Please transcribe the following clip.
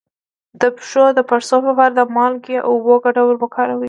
د پښو د پړسوب لپاره د مالګې او اوبو ګډول وکاروئ